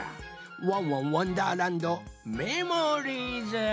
「ワンワンわんだーらんどメモリーズ」。